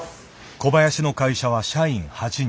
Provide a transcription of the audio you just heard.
小林の会社は社員８人。